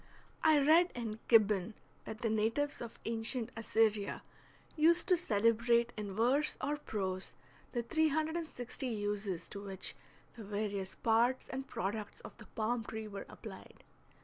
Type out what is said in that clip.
I read in Gibbon that the natives of ancient Assyria used to celebrate in verse or prose the three hundred and sixty uses to which the various parts and products of the palm tree were applied.